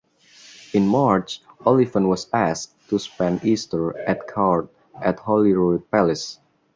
In March Oliphant was asked to spend Easter at court at Holyrood Palace.